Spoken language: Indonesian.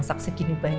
jenjen itu yang